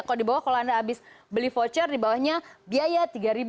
kalau di bawah kalau anda habis beli voucher di bawahnya biaya tiga ribu lima ratus